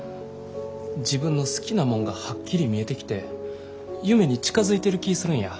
自分の好きなもんがはっきり見えてきて夢に近づいてる気ぃするんや。